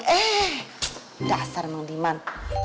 eh dasar mang diman